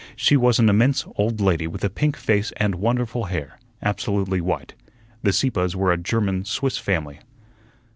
She was an immense old lady with a pink face and wonderful hair, absolutely white. The Sieppes were a German Swiss family.